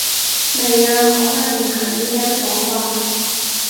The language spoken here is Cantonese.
未啊，可能唔喺呢間房啩